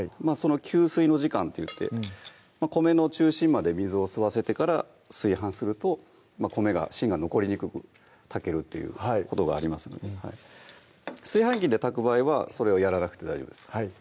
吸水の時間っていって米の中心まで水を吸わせてから炊飯すると米が芯が残りにくく炊けるっていうことがありますので炊飯器で炊く場合はそれはやらなくて大丈夫です